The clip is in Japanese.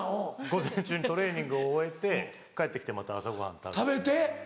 午前中にトレーニングを終えて帰って来てまた朝ごはん食べて。